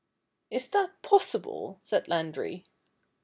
"Is that possible ?" said Landry.